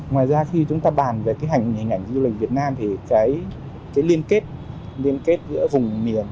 ngoài ra khi chúng ta bàn về hình ảnh du lịch việt nam thì cái liên kết giữa vùng miền